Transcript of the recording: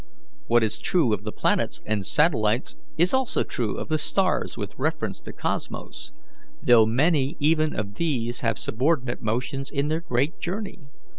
What is true of the planets and satellites is also true of the stars with reference to Cosmos; though many even of these have subordinate motions in their great journey.